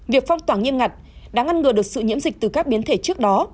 việc phong tỏa nghiêm ngặt đã ngăn ngừa được sự nhiễm dịch từ các biến thể trước đó